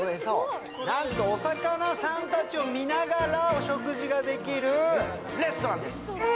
なんとお魚さんたちを見ながらお食事ができるレストランです！